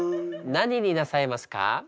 何になさいますか？